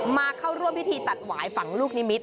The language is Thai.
มาเข้าร่วมพิธีตัดหวายฝังลูกนิมิต